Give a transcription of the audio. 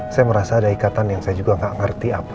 saya merasa ada ikatan yang saya juga gak ngerti apa